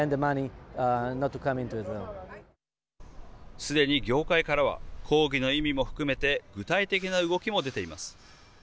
すでに業界からは抗議の意味も含めて具体的な動きも出ています。